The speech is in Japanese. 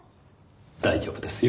大丈夫ですよ。